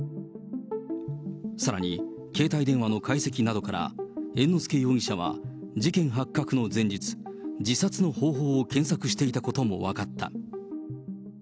さらに携帯電話の解析などから、猿之助容疑者は事件発覚の前日、自殺の方法を検索していたことも分かった。